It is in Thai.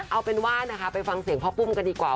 เอาเป็นว่านะคะไปฟังเสียงพ่อปุ้มกันดีกว่า